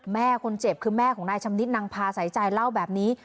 แม่คนเจ็บคือแม่ของนายชำนิดนางพาสายใจเล่าแบบนี้